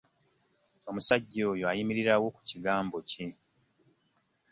Omusajja oyo ayimirirawo ku kigambo kye.